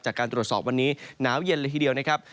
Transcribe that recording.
จากการตรวจสอบวันนี้หนาวเย็นเลยทีเดียวนะครับ